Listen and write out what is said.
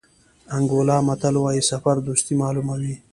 انګولا متل وایي سفر دوستي معلوموي.